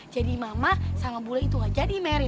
jadi mama sama bule itu aja di marry